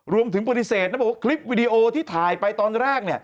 รวมถึงปฏิเสธนะบอกว่าคลิปวิดีโอที่ถ่ายไปตอนแรก